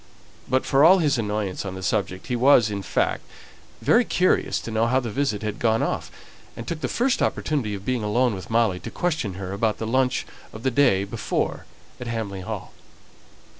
But for all his annoyance on the subject, he was, in fact, very curious to know how the visit had gone off, and took the first opportunity of being alone with Molly to question her about the lunch of the day before at Hamley Hall.